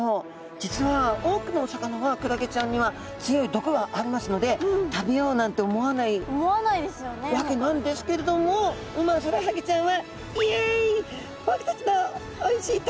実は多くのお魚はクラゲちゃんには強い毒がありますので食べようなんて思わないわけなんですけれどもウマヅラハギちゃんは。